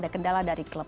ada kendala dari klub